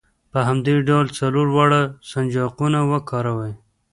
په همدې ډول څلور واړه سنجاقونه وکاروئ.